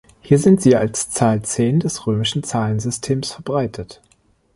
Hier sind sie als Zahl zehn des Römischen Zahlensystems verbreitet.